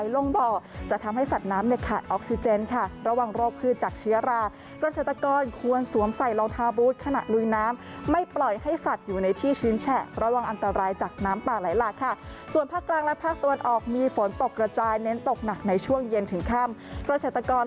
ลงบ่อจะทำให้สัตว์น้ำเนี่ยขาดออกซิเจนค่ะระวังโรคพืชจากเชื้อราเกษตรกรควรสวมใส่รองเท้าบูธขณะลุยน้ำไม่ปล่อยให้สัตว์อยู่ในที่ชื้นแฉะระวังอันตรายจากน้ำป่าไหลหลากค่ะส่วนภาคกลางและภาคตะวันออกมีฝนตกกระจายเน้นตกหนักในช่วงเย็นถึงค่ำเกษตรกร